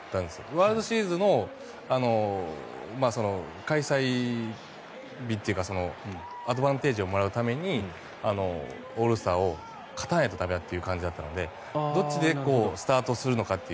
ワールドシリーズの開催日というかアドバンテージをもらうためにオールスターを勝たないと駄目だっていう感じだったのでどっちでスタートするのかという。